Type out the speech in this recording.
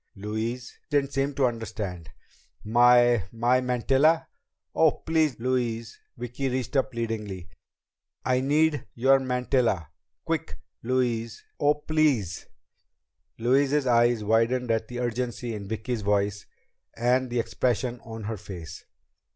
Louise didn't seem to understand. "My my mantilla?" "Oh, please, Louise!" Vicki reached up pleadingly. "I need your mantilla! Quick, Louise! Oh, please!" Louise's eyes widened at the urgency in Vicki's voice and the expression on her face.